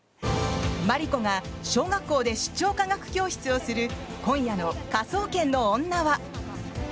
マリコが小学校で出張科学教室をする今夜の「科捜研の女」は。